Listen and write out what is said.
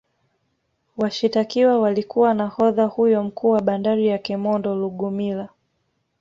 Washitakiwa walikuwa nahodha huyo mkuu wa bandari ya kemondo Lugumila